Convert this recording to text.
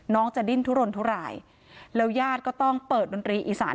น้องจะดิ้นทุรนทุรายแล้วยาดก็ต้องเปิดดนตรีอีสาน